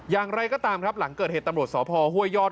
อย่างไรก็ตามครับหลังเกิดเหตุตำรวจสพห้วยยอด